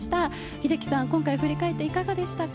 英樹さん今回振り返って、いかがでしたか。